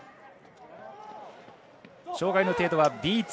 障がいの程度はＢ２。